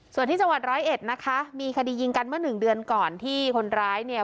ส่วนที่จังหวัดร้อยเอ็ดนะคะมีคดียิงกันเมื่อหนึ่งเดือนก่อนที่คนร้ายเนี่ย